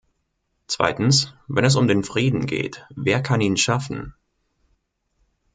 Zweitens, wenn es um den Frieden geht, wer kann ihn schaffen?